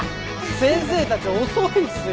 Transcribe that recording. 先生たち遅いっすよ。